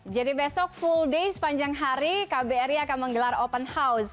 jadi besok full day sepanjang hari kbri akan menggelar open house